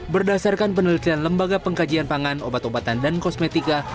berdasarkan penelitian lembaga pengkajian pangan obat obatan dan kosmetika